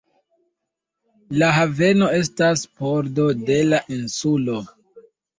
La haveno estas pordo de la insulo.